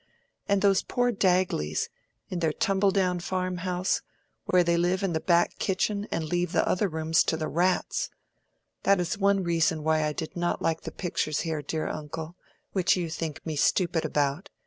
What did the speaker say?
—and those poor Dagleys, in their tumble down farmhouse, where they live in the back kitchen and leave the other rooms to the rats! That is one reason why I did not like the pictures here, dear uncle—which you think me stupid about.